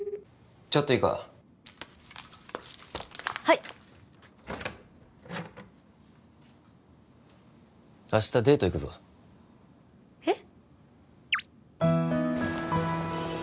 ちょっといいかはい明日デート行くぞえっ？